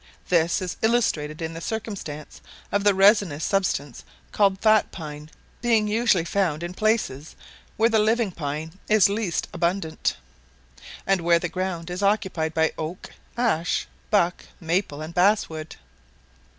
This is illustrated in the circumstance of the resinous substance called fat pine being usually found in places where the living pine is least abundant, and where the ground is occupied by oak, ash, buck, maple, and bass wood.